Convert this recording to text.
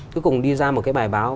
cuối cùng đi ra một cái bài báo